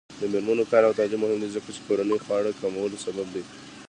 د میرمنو کار او تعلیم مهم دی ځکه چې کورنۍ خوارۍ کمولو سبب دی.